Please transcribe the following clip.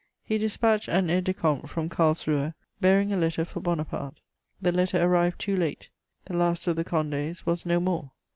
He dispatched an aide de camp from Carlsruhe bearing a letter for Bonaparte; the letter arrived too late: the last of the Condés was no more.